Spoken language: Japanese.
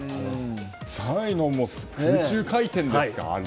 ３位の空中回転ですか。